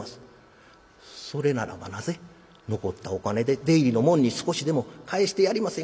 それならばなぜ残ったお金で出入りの者に少しでも返してやりません？